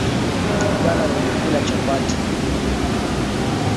Jana nilikula chapati